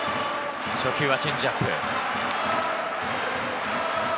初球はチェンジアップ。